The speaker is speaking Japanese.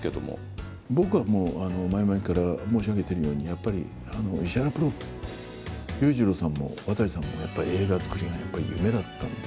僕は前々から申し上げているように、やっぱり石原プロって、裕次郎さんも渡さんもやっぱり映画作りがやっぱり夢だったので。